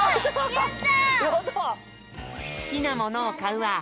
やった！